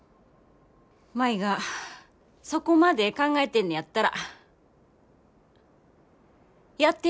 舞がそこまで考えてんねやったらやってみ。